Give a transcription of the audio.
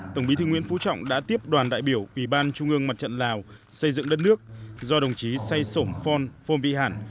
tổng bí thư nguyễn phú trọng đã tiếp đoàn đại biểu ủy ban trung ương mặt trận lào xây dựng đất nước do đồng chí say sổm phon phong vi hản